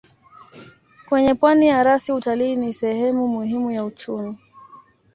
Kwenye pwani ya rasi utalii ni sehemu muhimu ya uchumi.